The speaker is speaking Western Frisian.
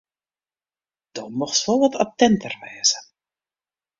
Do mochtst wol wat attinter wêze.